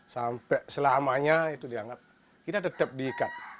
sampai selamanya itu dianggap kita tetap diikat